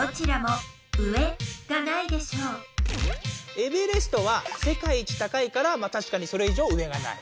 エベレストは世界一高いからたしかにそれいじょう「上」がない。